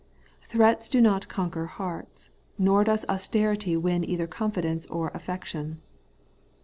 Threats do not conquer hearts ; nor does austerity win either confidence or affection.